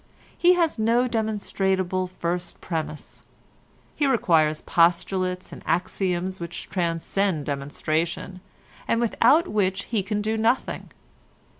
He has no demonstrable first premise. He requires postulates and axioms which transcend demonstration, and without which he can do nothing.